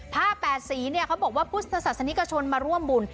๘สีเนี่ยเขาบอกว่าพุทธศาสนิกชนมาร่วมบุญ